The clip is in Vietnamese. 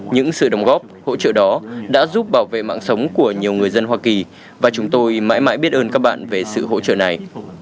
những sự đồng góp hỗ trợ đó đã giúp bảo vệ mạng sống của nhiều người dân hoa kỳ và chúng tôi mãi mãi biết ơn các bạn về sự hỗ trợ này